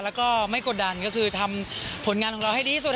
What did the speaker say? แล้วก็ไม่กดดันก็คือทำผลงานของเราให้ดีที่สุด